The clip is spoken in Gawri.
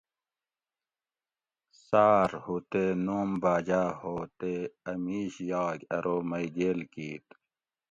ساۤر ھو تے نوم باۤجاۤ ھو تے اۤ میش یاگ ارو مئ گیل کیت